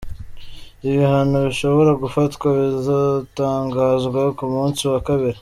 Ibihano bishobora gufatwa bizotangazwa ku munsi wa kabiri.